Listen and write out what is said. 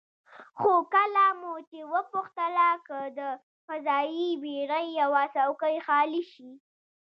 خو کله مو چې وپوښتله که د فضايي بېړۍ یوه څوکۍ خالي شي،